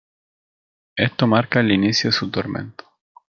Esto marca el inicio de su tormento.